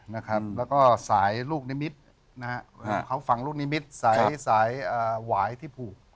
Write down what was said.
นะครับแล้วก็สายลูกในมิดนะฮะเขาฝังลูกในมิดสายสายอ่าหวายที่ผูก